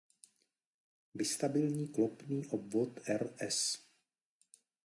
Bistabilní klopný obvod er-es